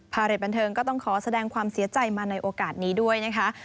เรทบันเทิงก็ต้องขอแสดงความเสียใจมาในโอกาสนี้ด้วยนะคะ